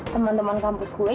temen temen kampus gue